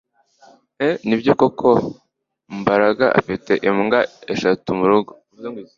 Nibyo koko Mbaraga afite imbwa eshatu murugo